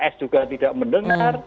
s juga tidak mendengar